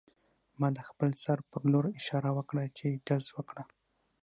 ما د خپل سر په لور اشاره وکړه چې ډز وکړه